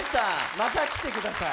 また来てください